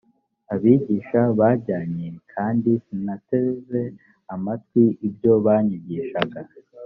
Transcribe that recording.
abigisha banjye kandi sinateze amatwi ibyo banyigishaga